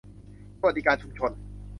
สวัสดิการชุมชน